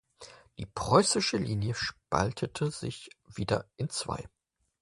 Die preußische Linie spaltete sich wieder in zwei.